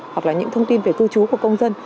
hoặc là những thông tin về cư trú của công dân